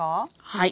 はい。